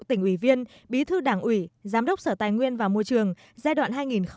tỉnh ủy viên bí thư đảng ủy giám đốc sở tài nguyên và môi trường giai đoạn hai nghìn một mươi sáu hai nghìn hai mươi